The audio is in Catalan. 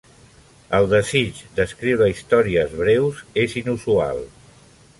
El desig d'escriure històries breus és inusual.